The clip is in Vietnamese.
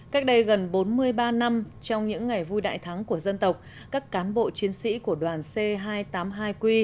cách đây gần bốn mươi ba năm trong những ngày vui đại thắng của dân tộc các cán bộ chiến sĩ của đoàn c hai trăm tám mươi hai q